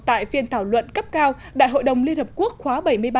tại phiên thảo luận cấp cao đại hội đồng liên hợp quốc khóa bảy mươi ba